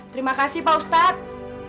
terima kasih pak ustadz